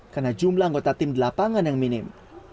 karena jumlah anggota tim di lapangan yang minim